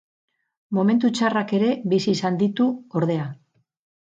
Momentu txarrak ere bizi izan ditu, ordea.